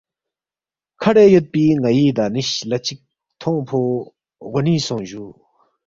کھڈے یودپی نائی دانش لا چک تھونگفو غونی سونگ جو